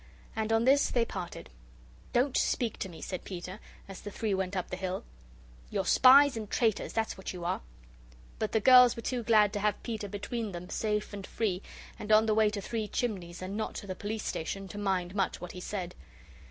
And on this they parted. "Don't speak to me," said Peter, as the three went up the hill. "You're spies and traitors that's what you are." But the girls were too glad to have Peter between them, safe and free, and on the way to Three Chimneys and not to the Police Station, to mind much what he said.